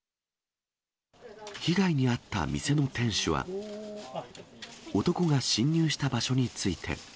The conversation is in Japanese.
被害に遭った店の店主は男が侵入した場所について。